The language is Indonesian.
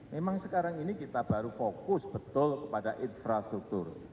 memang sekarang ini kita baru fokus betul kepada infrastruktur